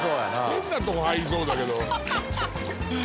変なとこ入りそうだけど。